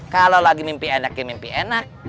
kalo lagi mimpi enak ya mimpi enak